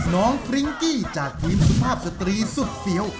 น้องฟริ้งกี้จากทีมสุภาพสตรีสุดเฟี้ยว